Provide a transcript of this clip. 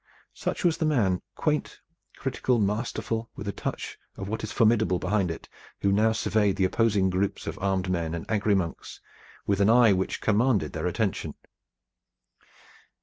Such was the man, quaint, critical, masterful, with a touch of what is formidable behind it, who now surveyed the opposing groups of armed men and angry monks with an eye which commanded their attention.